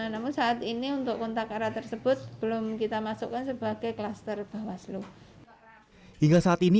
namun saat ini untuk kontak erat tersebut belum kita masukkan sebagai klaster bawaslu